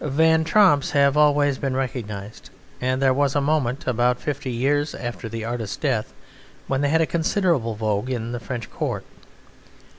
Van Tromps have always been recognized, and there was a moment about fifty years after the artist's death when they had a considerable vogue in the French Court.